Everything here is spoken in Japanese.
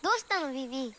ビビ。